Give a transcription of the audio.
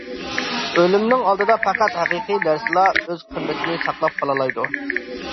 ئۆلۈمنىڭ ئالدىدا پەقەت ھەقىقىي نەرسىلا ئۆز قىممىتىنى ساقلاپ قالالايدۇ.